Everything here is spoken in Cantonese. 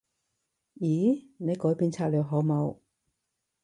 咦？你改變策略好冇？